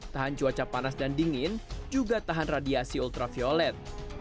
tahan cuaca panas dan dingin juga tahan radiasi ultraviolet